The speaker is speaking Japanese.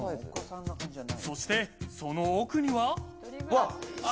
そして、その奥には。